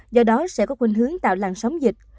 do đó sẽ có khuyên hướng tạo làn sóng dịch